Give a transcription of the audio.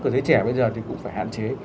của thế trẻ bây giờ thì cũng phải hạn chế